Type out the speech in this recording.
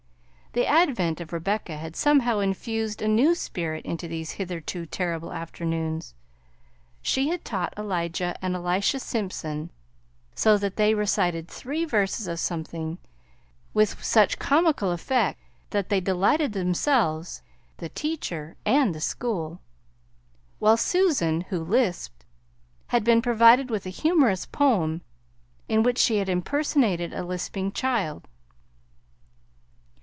The advent of Rebecca had somehow infused a new spirit into these hitherto terrible afternoons. She had taught Elijah and Elisha Simpson so that they recited three verses of something with such comical effect that they delighted themselves, the teacher, and the school; while Susan, who lisped, had been provided with a humorous poem in which she impersonated a lisping child.